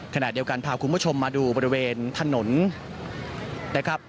ขณะเดียวกันพาคุณผู้ชมมาดูบริเวณถนนนะครับ